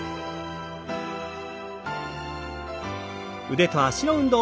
腕と脚の運動。